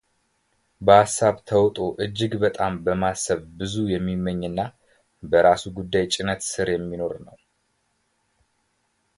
በሃሳብ ተውጦ እጅግ በጣም በማሰብ ብዙ የሚመኝና በራሱ ጉዳይ ጭነት ስር የሚኖር ነው፡፡